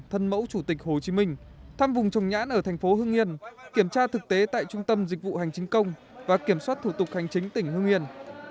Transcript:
thân mẫu chủ tịch hồ chí minh thăm vùng trồng nhãn ở thành phố hưng yên kiểm tra thực tế tại trung tâm dịch vụ hành chính công và kiểm soát thủ tục hành chính tỉnh hưng yên